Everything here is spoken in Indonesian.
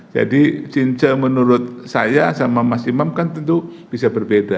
jadi jinjah menurut saya sama mas imam kan tentu bisa berbeda